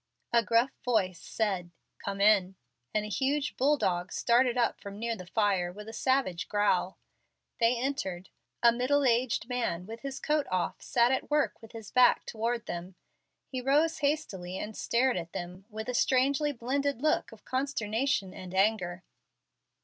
A gruff voice said, "Come in," and a huge bull dog started up from near the fire with a savage growl. They entered. A middle aged man with his coat off sat at work with his back toward them. He rose hastily and stared at them with a strangely blended look of consternation and anger.